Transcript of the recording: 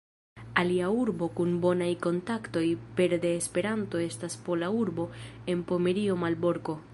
Alia urbo kun bonaj kontaktoj pere de Esperanto estas pola urbo en Pomerio Malborko.